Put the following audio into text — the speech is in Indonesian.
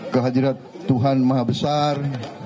kehadiran tuhan maha besar